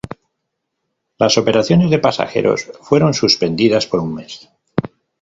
Las operaciones de pasajeros fueron suspendidas por un mes.